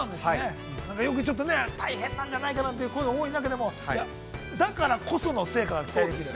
よくちょっと、大変なんじゃないかという声が多い中で、だからこその成果が期待できると。